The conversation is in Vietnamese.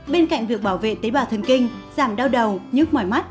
bên cạnh việc bảo vệ tế bào thần kinh giảm đau đầu nhức mỏi mắt